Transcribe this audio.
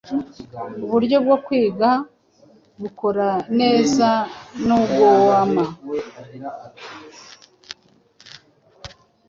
uburyo bwo kwiga bukora nezanuguoma